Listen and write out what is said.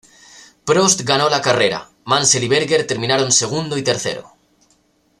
Prost ganó la carrera; Mansell y Berger terminaron segundo y tercero.